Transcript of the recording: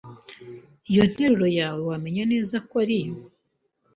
Iyo nteruro yawe wamenyaneza ko ariyo